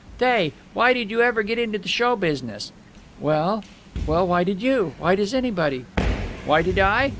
Thay, why did you ever get into the show business?" "Well ... well, why did you? Why does anybody?" "Why did I?